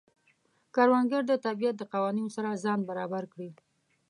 کروندګر د طبیعت د قوانینو سره ځان برابر کړي